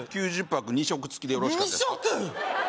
９０泊２食付きでよろしかったですか２食！？